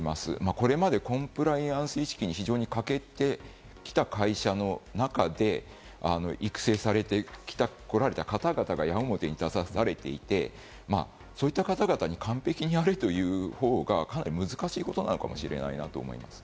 これまでコンプライアンス意識に非常に欠けてきた会社の中で育成されて来た方が矢面に立たされていて、そういった方々に完璧になれというほうがかなり難しいことなのかもしれないなと思います。